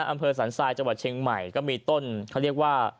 อำเภอสันทรายจังหวัดเชียงใหม่ก็มีต้นเขาเรียกว่า